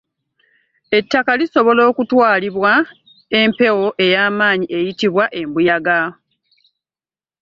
Ettaka lisobola okutwalibwa empawo ey'amaanyi eyitibwa embuyaga.